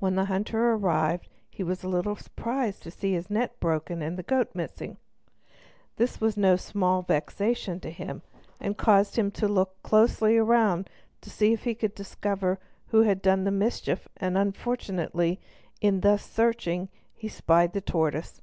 When the hunter arrived he was a little surprised to see his net broken and the goat missing. This was no small vexation to him, and caused him to look closely around, to see if he could discover who had done the mischief; and unfortunately, in thus searching, he spied the tortoise.